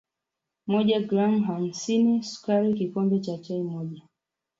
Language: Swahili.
moja gram hamsini Sukari kikombe cha chai moja